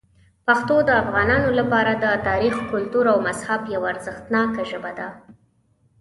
پښتو د افغانانو لپاره د تاریخ، کلتور او مذهب یوه ارزښتناک ژبه ده.